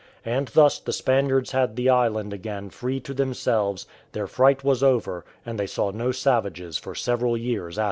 And thus the Spaniards had the island again free to themselves, their fright was over, and they saw no savages for several years after.